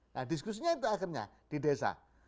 nah diskusinya itu akhirnya di desa